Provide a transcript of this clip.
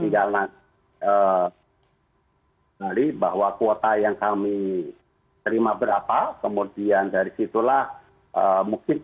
jadi bahwa kuota yang kami terima berapa kemudian dari situlah mungkin